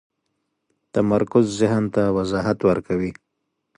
تمرکز ذهن ته وضاحت ورکوي.